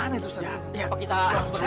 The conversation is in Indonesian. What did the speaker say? jangan buat saya sebagian kacau